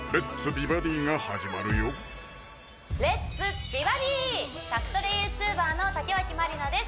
美バディ」宅トレＹｏｕＴｕｂｅｒの竹脇まりなです